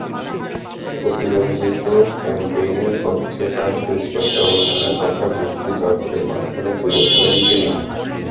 অতিরঞ্জিত ক্যাম্পেইনের পক্ষে তাঁর সুস্পষ্ট অবস্থানের কথা যুক্তিতর্কের মাধ্যমে তুলে ধরেন তিনি।